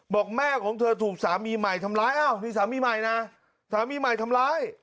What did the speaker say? บอกแม่ของเธอถูกสามีใหม่ทำร้ายอ้าวนี่สามีใหม่นะสามีใหม่ทำร้าย